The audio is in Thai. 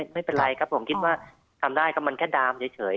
ไม่เป็นไรครับผมคิดว่าทำได้ก็มันแค่ดามเฉย